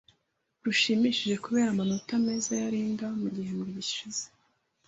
rushimishe Kubera amanota meza ya Linda mu gihembwe gishize,